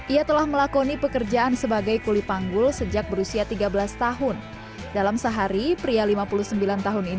ia telah melakoni pekerjaan sebagai kulipanggul sejak berusia tiga belas tahun dalam sehari pria lima puluh sembilan tahun ini